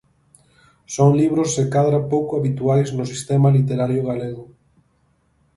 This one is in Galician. Son libros se cadra pouco habituais no sistema literario galego.